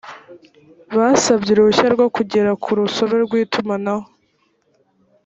basabye uruhushya rwo kugera ku urusobe rw’itumanaho